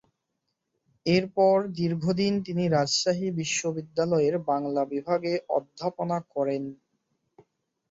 এরপর দীর্ঘদিন তিনি রাজশাহী বিশ্ববিদ্যালয়ের বাংলা বিভাগে অধ্যাপনা করেন।